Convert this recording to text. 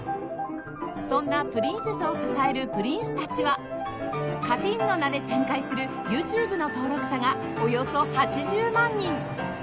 そんなプリンセスを支えるプリンスたちは「かてぃん」の名で展開する ＹｏｕＴｕｂｅ の登録者がおよそ８０万人